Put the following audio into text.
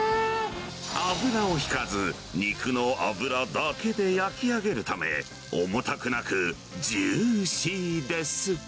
油を引かず、肉の脂だけで焼き上げるため、重たくなく、ジューシーです。